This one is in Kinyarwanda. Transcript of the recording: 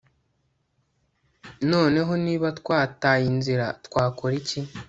Noneho niba twataye inzira twakora iki